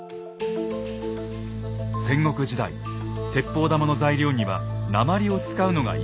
戦国時代鉄砲玉の材料には鉛を使うのが一般的でした。